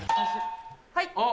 はい。